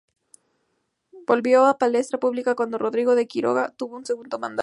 Volvió a la palestra pública cuando Rodrigo de Quiroga tuvo su segundo mandato.